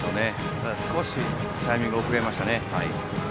ただ、少しタイミングが遅れましたね。